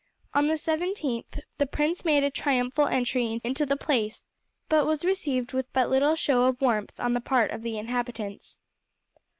On the 17th the prince made a triumphal entry into the place, but was received with but little show of warmth on the part of the inhabitants.